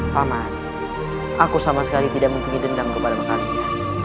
paman aku sama sekali tidak mempunyai dendam kepada makannya